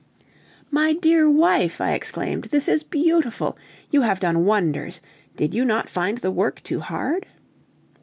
"My dear wife!" I exclaimed, "this is beautiful! You have done wonders! Did you not find the work too hard?"